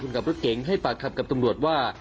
กับรถเก๋งให้ปากคำกับตำรวจว่า